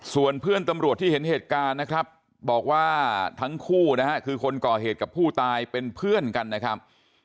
ส่วนเพื่อนตำรวจที่เห็นเหตุการณ์นะครับบอกว่าทั้งคู่นะฮะคือคนก่อเหตุกับผู้ตายเป็นเพื่อนกันนะครับ